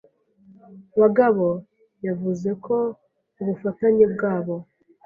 Bagabo yavuze ko ubufatanye bwabo